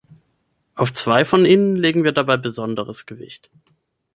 Auf zwei von ihnen legen wir dabei besonderes Gewicht.